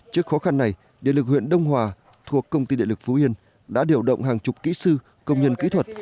trước khó khăn này điện lực huyện đông hòa thuộc công ty địa lực phú yên đã điều động hàng chục kỹ sư công nhân kỹ thuật